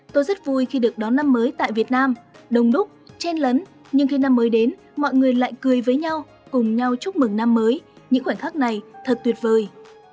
tôi rất vui khi được đón năm mới tại việt nam đông đúc chen lấn nhưng khi năm mới đến mọi người lại cười với nhau cùng nhau chúc mừng năm mới những khoảnh khắc này thật tuyệt vời